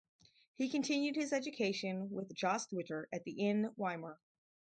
He continued his education with Jost Witter at the in Weimar.